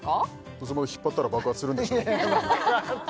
どうせまた引っ張ったら爆発するんでしょ？